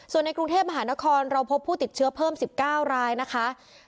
ส่วนในกรุงเทพมหานครเราพบผู้ติดเชื้อเพิ่ม๑๙รายนะคะ